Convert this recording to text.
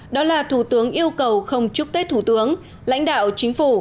đó là thủ tướng yêu cầu không chúc tết thủ tướng lãnh đạo chính phủ